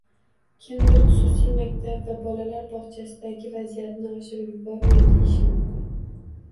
Kimdir xususiy maktab va bolalar bog'chasidagi vaziyatni oshirib yubormang, deyishi mumkin